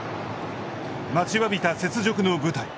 待ちわびた雪辱の舞台。